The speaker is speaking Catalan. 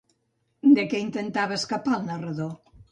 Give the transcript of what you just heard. De què intentava escapar el narrador?